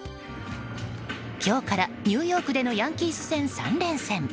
今日から、ニューヨークでのヤンキース戦３連戦。